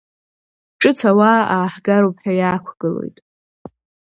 Ҿыц ауаа ааҳгароуп ҳәа иаақәгылоит.